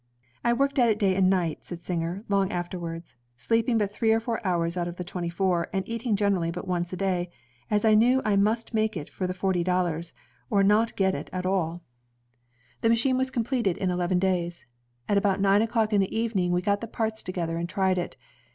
"I worked at it day and night," said Singer long after wards, "sleeping but three or four hours out of the twenty four, and eating generally but once a day, as I knew I must make it for the forty dollars, or not get it at all. 138 INVENTIONS OF MANUFACTURE AND PRODUCTION "The machine was completed in eleven days. At about nine o'clock in the evening we got the parts together, and tried it.